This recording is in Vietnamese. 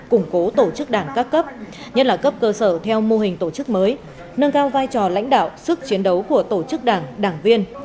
củng cố tổ chức đảng các cấp nhất là cấp cơ sở theo mô hình tổ chức mới nâng cao vai trò lãnh đạo sức chiến đấu của tổ chức đảng đảng viên